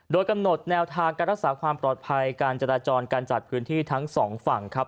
โดยกำหนดแนวทางการรักษาความปลอดภัยการจราจรการจัดพื้นที่ทั้งสองฝั่งครับ